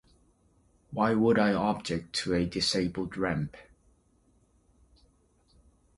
Why would I object to a disabled ramp?